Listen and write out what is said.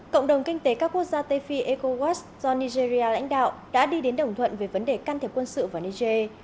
cộng đồng kinh tế các quốc gia tây phi ecowas do nigeria lãnh đạo đã đi đến đồng thuận về vấn đề can thiệp quân sự vào niger